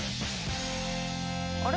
あれ？